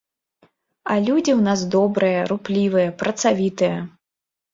А людзі ў нас добрыя, руплівыя, працавітыя.